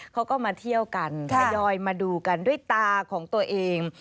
เขาก็มาเที่ยวกันทยอยมาดูกันด้วยตาของตัวเอง